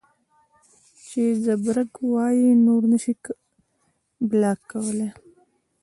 چې زبرګ وائي نور نشې بلاک کولے